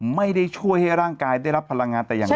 ไม่ได้ช่วยให้ร่างกายได้รับพลังงานแต่อย่างใด